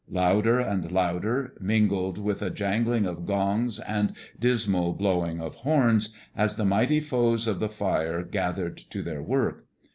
Louder and louder, mingled with a jangling of gongs and dismal blowing of horns, as the mighty foes of the fire gathered to their work.